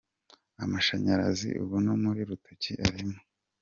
Amashanyarazi ubu no mu rutoki arimo